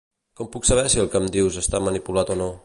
Com puc saber si el que em dius està manipulat o no?